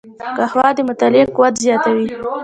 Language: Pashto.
قهوه د مطالعې قوت زیاتوي